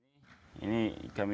ini kami jadikan sebagai alat hidup kami